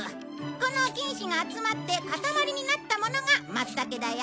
この菌糸が集まって塊になったものが松たけだよ。